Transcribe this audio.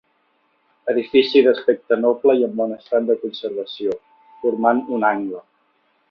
Edifici d'aspecte noble i en bon estat de conservació, formant un angle.